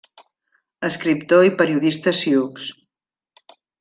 Escriptor i periodista sioux.